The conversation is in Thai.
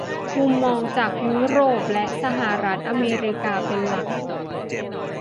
มุมมองจากยุโรปและสหรัฐอเมริกาเป็นหลัก